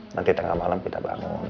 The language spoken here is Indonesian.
nanti tengah malam kita bangun kita sholat